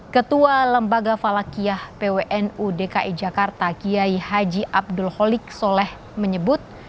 ketua lembaga falakiyah pwnu dki jakarta kiai haji abdul holik soleh menyebut